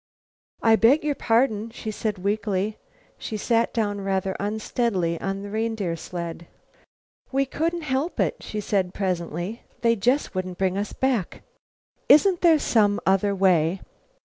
"I I beg your pardon," she said weakly. She sat down rather unsteadily on the reindeer sled. "We couldn't help it," she said presently. "They just wouldn't bring us back. Isn't there some other way?"